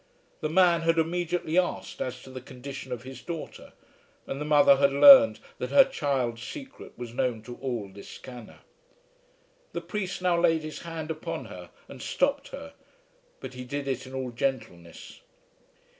The man had immediately asked as to the condition of his daughter, and the mother had learned that her child's secret was known to all Liscannor. The priest now laid his hand upon her and stopped her, but he did it in all gentleness.